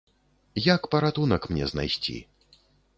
Як паратунак мне знайсці?